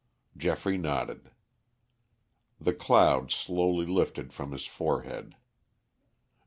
Geoffrey nodded. The cloud slowly lifted from his forehead.